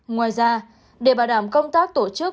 ngoài ra để bảo đảm công tác tổ chức